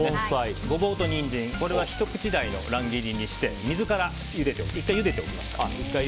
ゴボウとニンジンひと口大の乱切りにして水からゆでておきます。